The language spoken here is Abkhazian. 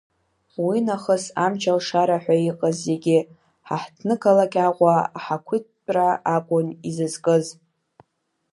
Уинахыс амч-алшара ҳәа иҟаз зегьы ҳаҳҭнықалақь Аҟәа ахақәиҭтәра акәын изызкыз…